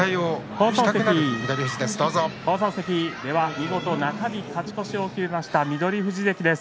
見事、中日勝ち越しを決めました、翠富士関です。